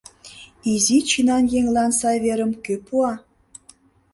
Изи чинан еҥлан сай верым кӧ пуа?